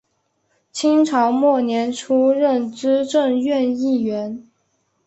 清朝末年出任资政院议员。